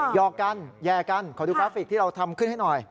หอกกันแย่กันขอดูกราฟิกที่เราทำขึ้นให้หน่อย